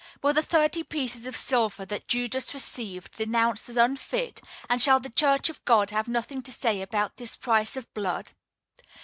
Were the thirty pieces of silver that Judas received denounced as unfit, and shall the Church of God have nothing to say about this price of blood?